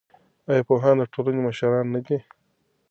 ایا پوهان د ټولنې مشران نه دي؟